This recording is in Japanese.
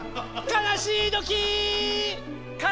かなしいときー！